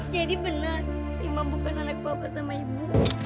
jadi benar rima bukan anak bapak sama ibu